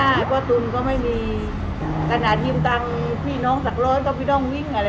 ใช่เพราะทุนก็ไม่มีขนาดยืมตังค์พี่น้องสักร้อยก็ไม่ต้องวิ่งอะไร